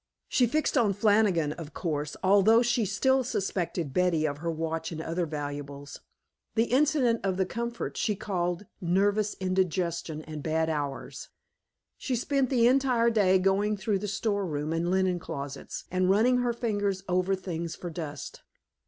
She fixed on Flannigan, of course, although she still suspected Betty of her watch and other valuables. The incident of the comfort she called nervous indigestion and bad hours. She spent the entire day going through the storeroom and linen closets, and running her fingers over things for dust.